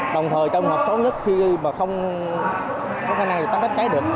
đồng thời trong một hợp số nhất khi không có khả năng đánh cháy được